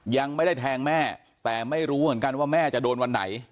ยังไม่ได้แทงแม่แต่ไม่รู้เหมือนกันว่าแม่จะโดนวันไหน